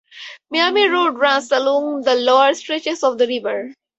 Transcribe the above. Miami Road runs along the lower stretches of the river.